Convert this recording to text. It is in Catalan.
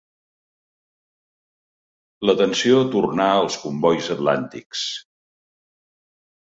L'atenció tornà als combois atlàntics.